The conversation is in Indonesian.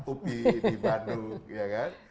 upi di bandung ya kan